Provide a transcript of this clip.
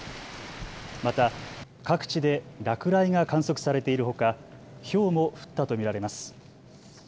また各地で落雷が観測されているほかひょうも降ったと見られます。